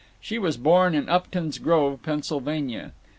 She was born in Upton's Grove, Pennsylvania.